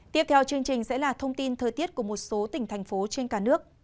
tiếp theo chương trình sẽ là thông tin thời tiết của một số tỉnh thành phố trên cả nước